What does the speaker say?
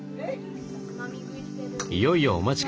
いよいよお待ち